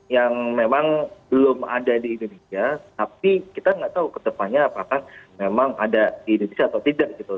yang memang belum ada di indonesia tapi kita nggak tahu ke depannya apakah memang ada di indonesia atau tidak gitu